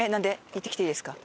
行ってきていいですか？